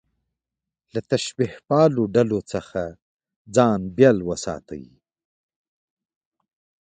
له تشبیه پالو ډلو څخه ځان بېل وساتي.